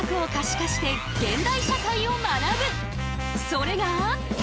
それが。